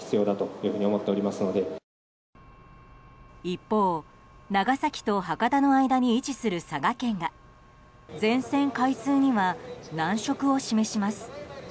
一方、長崎と博多の間に位置する佐賀県が全線開通には難色を示します。